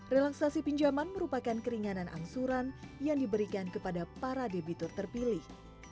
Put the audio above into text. relaksasi pinjaman merupakan keringanan angsuran yang diberikan kepada para debitur terpilih